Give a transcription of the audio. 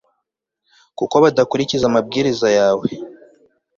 kuko badakurikiza amabwiriza yawe